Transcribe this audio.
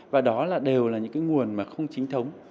và đó là đều là những cái nguồn mà không chính thống